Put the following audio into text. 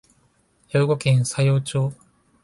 兵庫県佐用町